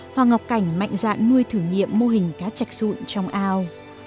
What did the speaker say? hoàng ngọc cảnh mạnh dạn nuôi thử nghiệm mô hình cá chạch rụn trong ao